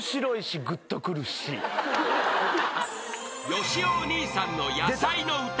［よしおお兄さんの野菜の歌］